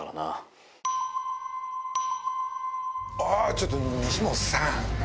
ちょっと西本さん。